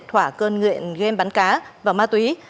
thỏa cơn nguyện game bắn cá và ma túy